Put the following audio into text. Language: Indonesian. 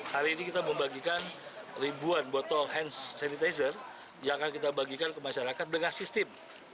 hari ini kita membagikan ribuan botol hand sanitizer yang akan kita bagikan ke masyarakat dengan sistem